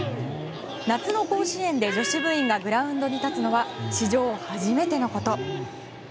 夏の甲子園で女子部員がグラウンドに立つのは史上初めてのこと。